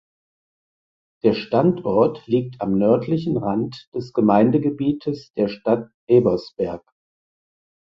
Der Standort liegt am nördlichen Rand des Gemeindegebietes der Stadt Ebersberg.